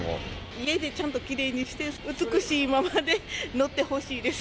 家でちゃんときれいにして、美しいままで乗ってほしいです。